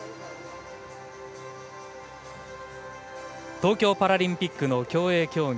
東京パラリンピックの競泳競技